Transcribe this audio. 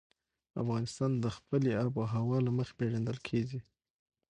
افغانستان د خپلې آب وهوا له مخې پېژندل کېږي.